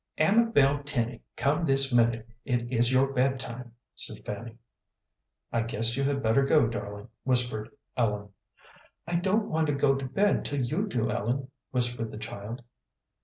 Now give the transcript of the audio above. "Amabel Tenny, come this minute. It is your bed time," said Fanny. "I guess you had better go, darling," whispered Ellen. "I don't want to go to bed till you do, Ellen," whispered the child.